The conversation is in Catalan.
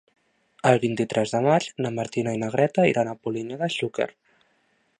El vint-i-tres de maig na Martina i na Greta iran a Polinyà de Xúquer.